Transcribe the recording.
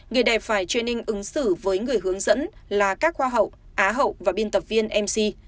người đài phải training ứng xử với người hướng dẫn là các hoa hậu á hậu và biên tập viên mc